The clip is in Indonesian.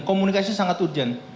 komunikasi sangat urgent